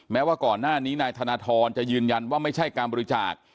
แม้ว่าก่อนหน้านี้นายธนทรจะยืนยันว่าไม่ใช่การบริจาค